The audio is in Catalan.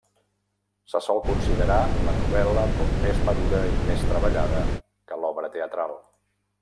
Se sol considerar la novel·la com més madura i més treballada que l'obra teatral.